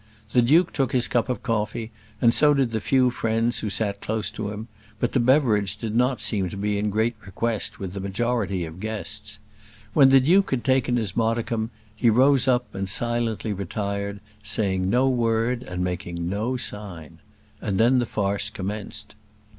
The duke took his cup of coffee, and so did the few friends who sat close to him; but the beverage did not seem to be in great request with the majority of the guests. When the duke had taken his modicum, he rose up and silently retired, saying no word and making no sign. And then the farce commenced.